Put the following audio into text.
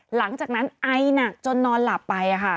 หลังจากนั้นไอหนักจนนอนหลับไป